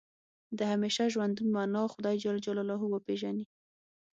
د همیشه ژوندون معنا خدای جل جلاله وپېژني.